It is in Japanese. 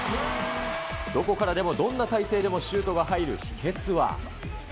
どこからでもどんな体勢でもシュートが入る秘けつは。